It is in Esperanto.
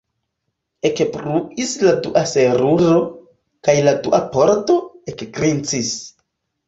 Ekbruis la dua seruro, kaj la dua pordo ekgrincis.